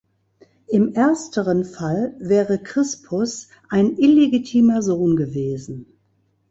Im ersteren Fall wäre Crispus ein illegitimer Sohn gewesen.